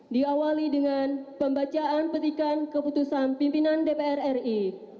diawali dengan pembacaan petikan keputusan pimpinan dpr ri